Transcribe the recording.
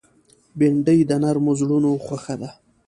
بېنډۍ د نرم زړونو خوښه ده